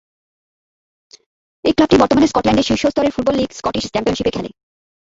এই ক্লাবটি বর্তমানে স্কটল্যান্ডের শীর্ষ স্তরের ফুটবল লীগ স্কটিশ চ্যাম্পিয়নশিপে খেলে।